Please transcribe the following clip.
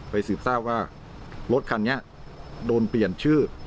สืบทราบว่ารถคันนี้โดนเปลี่ยนชื่อ